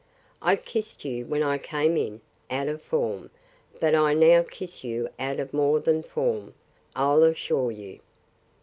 I kissed you when I came in, out of form; but I now kiss you out of more than form, I'll assure you.